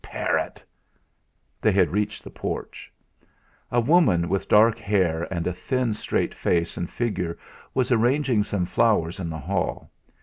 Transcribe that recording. Parrot!' They had reached the porch. A woman with dark hair and a thin, straight face and figure was arranging some flowers in the hall.